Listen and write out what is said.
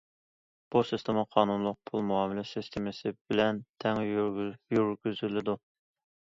بۇ سىستېما قانۇنلۇق پۇل مۇئامىلە سىستېمىسى بىلەن تەڭ يۈرگۈزۈلىدۇ.